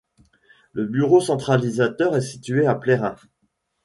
Le bureau centralisateur est situé à Plérin.